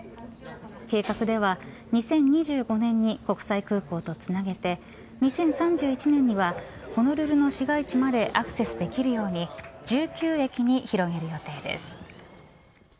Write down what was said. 計画では２０２５年に国際空港とつなげて２０３１年にはホノルルの市街地までアクセスできるように１９駅に広げる予定です。